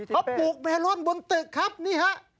เขาปลูกเมลอนบนตึกครับนี่ฮะ